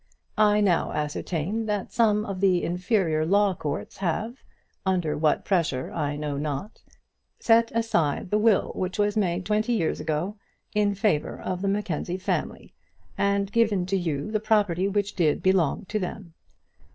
I now ascertain that some of the inferior law courts have, under what pressure I know not, set aside the will which was made twenty years ago in favour of the Mackenzie family, and given to you the property which did belong to them.